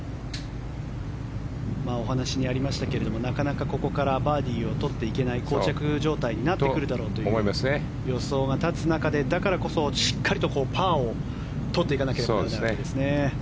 お話にありましたがなかなかここからバーディーを取っていけないこう着状態になってくるだろうと予想が立つ中でだからこそしっかりとパーを取っていかなければいけないですね。